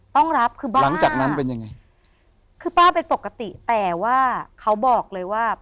ต้องรับคือบ้านหลังจากนั้นเป็นยังไงคือป้าเป็นปกติแต่ว่าเขาบอกเลยว่า